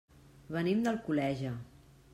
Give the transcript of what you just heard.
Venim d'Alcoleja.